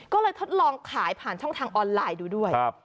ก็เลยทดลองขายผ่านช่องทางออนไลน์ดูด้วย